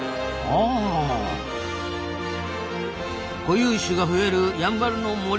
固有種が増えるやんばるの森。